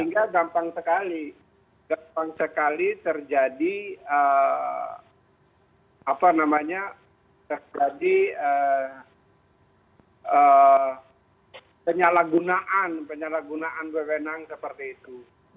sehingga gampang sekali terjadi penyalahgunaan bebenang seperti itu